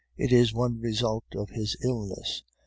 It is one result of his illness.